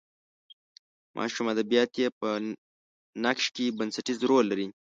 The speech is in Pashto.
ماشوم ادبیات یې په نقش کې بنسټیز رول لري.